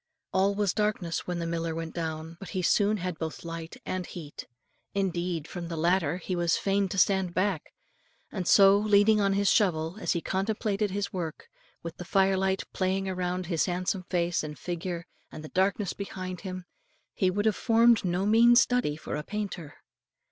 All was darkness when the miller went down, but he soon had both light and heat. Indeed, from the latter he was fain to stand back; and so, leaning on his shovel, as he contemplated his work, with the firelight playing around his handsome face and figure and the darkness behind him, he would have formed no mean study for a painter.